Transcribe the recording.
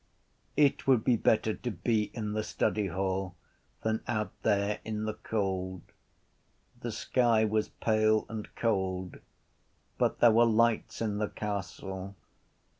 It would be better to be in the study hall than out there in the cold. The sky was pale and cold but there were lights in the castle.